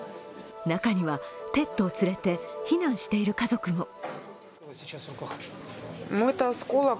中には、ペットを連れて避難している家族も。